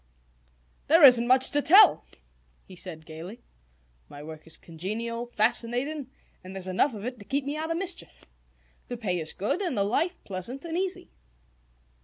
"There isn't much to tell," he said gaily. "My work is congenial, fascinating, and there's enough of it to keep me out of mischief. The pay is good, and the life pleasant and easy."